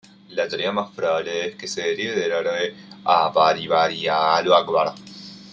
La teoría más probable es que se derive del árabe "al-barri", 'el arrabal'.